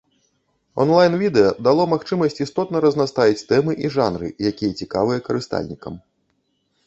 Онлайн-відэа дало магчымасць істотна разнастаіць тэмы і жанры, якія цікавыя карыстальнікам.